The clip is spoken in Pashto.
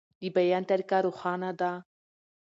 د بیان طریقه روښانه ده.